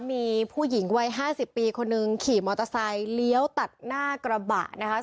มีผู้หญิงวัย๕๐ปีคนหนึ่งขี่มอเตอร์ไซค์เลี้ยวตัดหน้ากระบะนะคะ